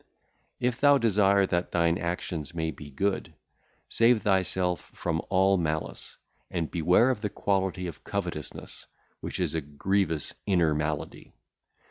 If thou desire that thine actions may be good, save thyself from all malice, and beware of the quality of covetousness, which is a grievous inner (?) malady.